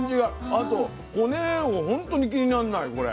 あと骨をほんとに気になんないこれ。